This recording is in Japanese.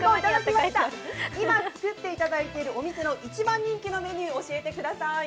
今作っていただいているお店の一番人気、教えてください。